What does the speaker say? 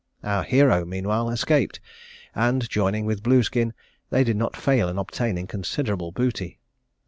Our hero meanwhile escaped, and joining with Blueskin, they did not fail in obtaining considerable booty.